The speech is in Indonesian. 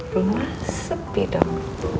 rumah sepi dong